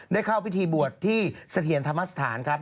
ได้เข้าพิธีบวชที่สะเทียนธรรมศาสตร์ครับ